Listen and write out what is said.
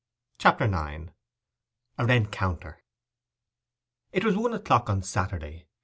CHAPTER IX—A RENCOUNTER It was one o'clock on Saturday.